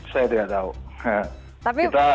saya tidak tahu